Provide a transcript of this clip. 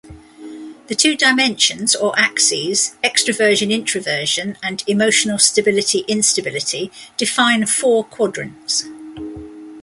The two dimensions or axes, extraversion-introversion and emotional stability-instability, define four quadrants.